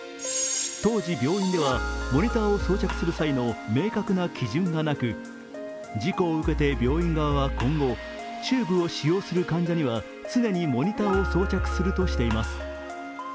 当時病院では、モニターを装着する際の明確な基準がなく、事故を受けて病院側は今後、チューブを使用する患者には常にモニターを装着するとしています。